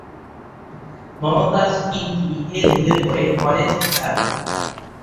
মমতাজ তিনটি এ-লেভেল করে কলেজ ছাড়েন।